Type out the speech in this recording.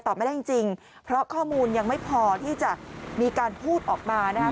ตอบไม่ได้จริงเพราะข้อมูลยังไม่พอที่จะมีการพูดออกมานะ